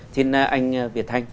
xin anh việt thanh